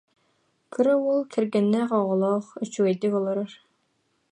Кыра уол кэргэннээх, оҕолоох, үчүгэйдик олорор